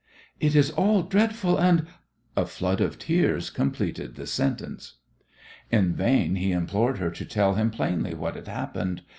It is all dreadful and " A flood of tears completed the sentence. In vain he implored her to tell him plainly what had happened.